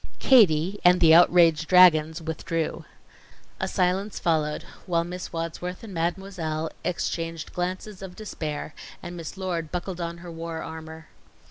Katie and the outraged dragons withdrew. A silence followed, while Miss Wadsworth and Mademoiselle exchanged glances of despair, and Miss Lord buckled on her war armor.